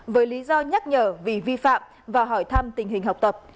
với lý do nhắc nhở vì vi phạm và hỏi thăm tình hình học tập